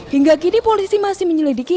hingga kini polisi masih menyelidiki